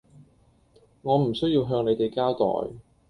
我唔需要向你哋交代